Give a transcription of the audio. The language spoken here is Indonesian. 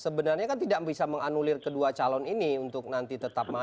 sebenarnya kan tidak bisa menganulir kedua calon ini untuk nanti tetap maju